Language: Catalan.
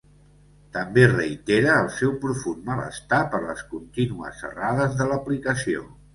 També reitera el seu profund malestar per les contínues errades de l'aplicació.